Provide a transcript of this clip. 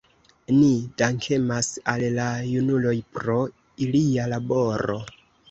Ni dankemas al la junuloj pro ilia laboro.